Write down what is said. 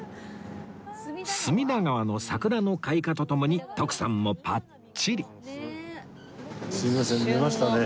隅田川の桜の開花とともに徳さんもパッチリ